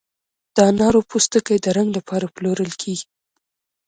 د انارو پوستکي د رنګ لپاره پلورل کیږي؟